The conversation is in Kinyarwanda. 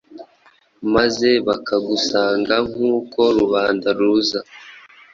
Maze bakagusanga nk’uko rubanda ruza,